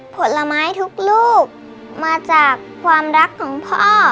ผลไม้ทุกรูปมาจากความรักของพ่อ